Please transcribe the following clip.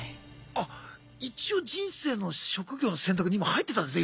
あ一応人生の職業の選択に今入ってたんですね